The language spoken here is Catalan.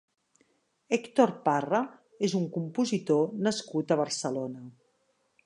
Hèctor Parra és un compositor nascut a Barcelona.